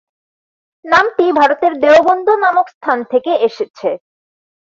নামটি ভারতের দেওবন্দ নামক স্থান থেকে এসেছে।